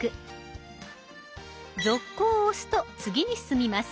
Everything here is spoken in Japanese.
「続行」を押すと次に進みます。